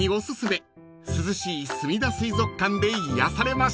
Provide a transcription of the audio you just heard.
［涼しいすみだ水族館で癒やされましょう］